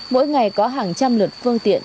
mỗi ngày có hàng trăm lượt phương tiện